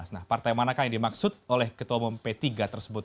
nah partai manakah yang dimaksud oleh ketua umum p tiga tersebut